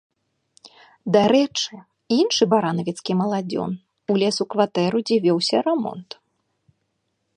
Дарэчы, іншы баранавіцкі маладзён улез у кватэру, дзе вёўся рамонт.